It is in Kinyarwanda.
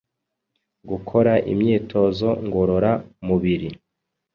gukora imyitozo ngorora mubiri